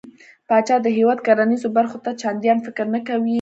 پاچا د هيواد کرنېزو برخو ته چنديان فکر نه کوي .